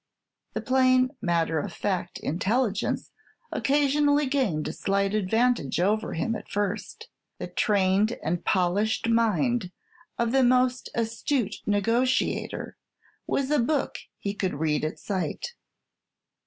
The plain matter of fact intelligence occasionally gained a slight advantage over him at first; the trained and polished mind of the most astute negotiator was a book he could read at sight.